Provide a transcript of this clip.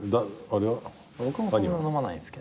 僕もそんな飲まないんすけど。